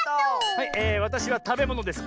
はいわたしはたべものですか？